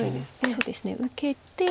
そうですね受けて。